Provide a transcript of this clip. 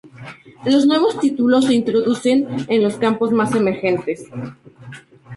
Los nuevos títulos se introducen en los campos más emergentes.